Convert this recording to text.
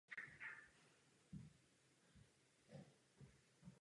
Ráda bych poděkovala váženým poslancům za jejich připomínky.